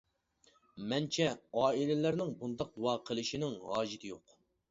مەنچە، ئائىلىلەرنىڭ بۇنداق دۇئا قىلىشىنىڭ ھاجىتى يوق.